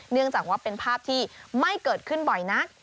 เนื่องจากว่าเป็นภาพที่ไม่เกิดขึ้นบ่อยนัก